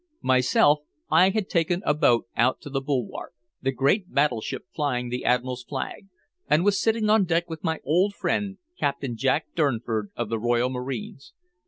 Myself, I had taken a boat out to the Bulwark, the great battleship flying the Admiral's flag, and was sitting on deck with my old friend Captain Jack Durnford, of the Royal Marines.